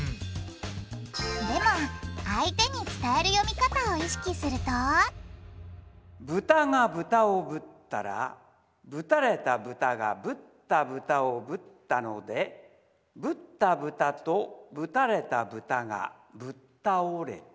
でも相手に伝える読み方を意識するとブタがブタをぶったらぶたれたブタがぶったブタをぶったのでぶったブタとぶたれたブタがぶったおれた。